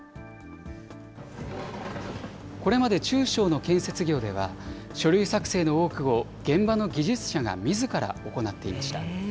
これまで中小の建設業では、書類作成の多くを現場の技術者がみずから行っていました。